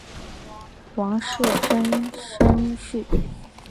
王士禛甥婿。